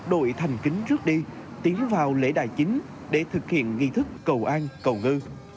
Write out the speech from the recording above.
đội thành kính rước đi tiến vào lễ đại chính để thực hiện nghị thức cầu an cầu ngư